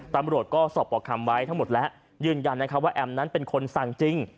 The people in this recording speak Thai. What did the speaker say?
ตำรวจก็สอบประคำไว้ทั้งหมดแล้วยืนยันว่าแอมนั้นเป็นคนสั่งจริง